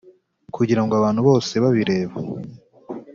kugira ngo abantu bose babireba;